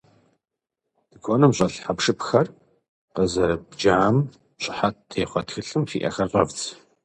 Тыкуэным щӏэлъ хьэпшыпхэр къызэрыдбжам щыхьэт техъуэ тхылъым фи ӏэхэр щӏэвдз.